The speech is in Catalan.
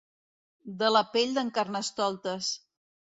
De la pell d'en Carnestoltes.